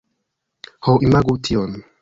Ho, imagu tion!